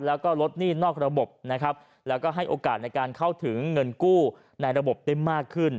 แล้วก็ลดหนี้นอกระบบนะครับแล้วก็ให้โอกาสในการเข้าถึงเงินกู้ในระบบได้มากขึ้น